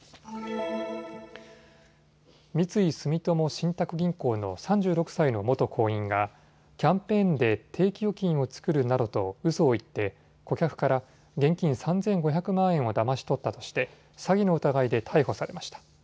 三井住友信託銀行の３６歳の元行員がキャンペーンで定期預金を作るなどとうそを言って顧客から現金３５００万円をだまし取ったとして詐欺の疑いで逮捕されました。